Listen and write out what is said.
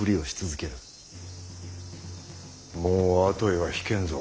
もう後へは引けんぞ。